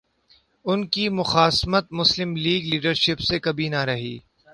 ان کی مخاصمت مسلم لیگ لیڈرشپ سے کبھی نہ رہی۔